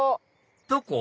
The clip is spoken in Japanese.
どこ？